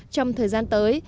trong thời gian tới